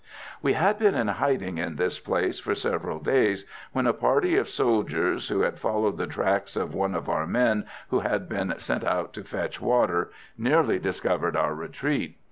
"We had been in hiding in this place for several days when a party of soldiers, who had followed the tracks of one of our men who had been sent out to fetch water, nearly discovered our retreat.